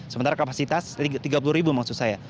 sementara kapasitas tiga puluh ribu maksud saya